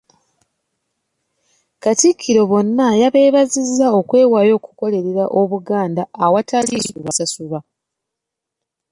Katikkiro bonna yabeebazizza okwewaayo okukolerera Obuganda awatali kusasulwa.